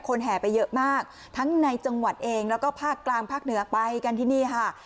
แห่ไปเยอะมากทั้งในจังหวัดเองแล้วก็ภาคกลางภาคเหนือไปกันที่นี่ค่ะ